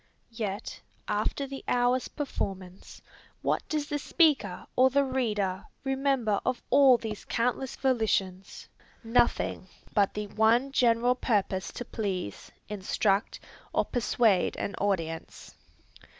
Yet after the hour's performance, what does the speaker or the reader remember of all these countless volitions? Nothing but the one general purpose to please, instruct, or persuade an audience.